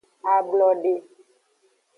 Ablode.